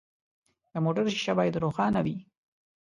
د موټر شیشه باید روښانه وي.